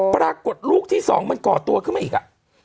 ปรากฏลูกที่สองมันก่อตัวขึ้นมาอีกอ่ะ